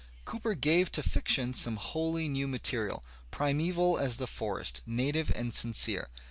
Cooper gave to fiction some wholly new material, primeval \ as the forest, native and sincere.